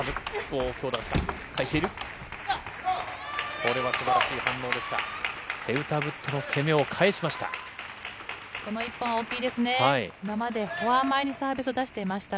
これはすばらしい反応でした。